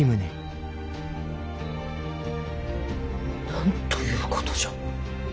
なんということじゃ。